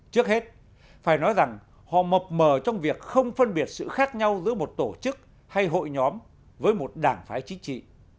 trước hết phải nói rằng họ mập mờ trong việc không phân biệt sự khác nhau giữa một tổ chức hay hội nhóm với một đảng phái chính trị